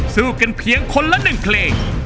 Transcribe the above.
สู้กันเพียงคนละ๑เพลง